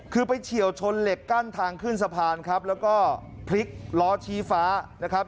คือไปเฉียวชนเหล็กกั้นทางขึ้นสะพานครับแล้วก็พลิกล้อชี้ฟ้านะครับ